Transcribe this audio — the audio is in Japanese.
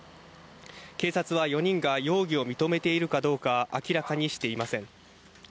警察は４人が容疑を認めているかどうか明らかにしていません。